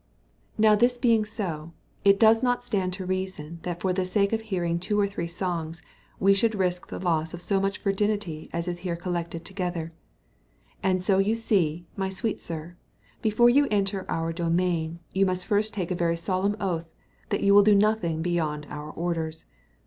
Now this being so, it does not stand to reason, that for the sake of hearing two or three songs we should risk the loss of so much virginity as is here collected together. And so you see, my sweet sir, before you enter our domain, you must first take a very solemn oath, that you will do nothing beyond our orders.